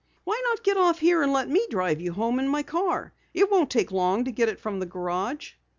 "Why not get off here and let me drive you home in my car? It won't take long to get it from the garage."